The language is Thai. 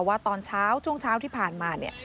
ว่าตอนเช้าจุงเช้าที่ผ่านมา